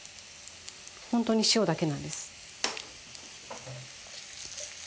ホントに塩だけなんです。